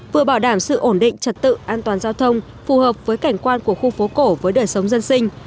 vừa bảo đảm sự ổn định trật tự an toàn giao thông phù hợp với cảnh quan của khu phố cổ với đời sống dân sinh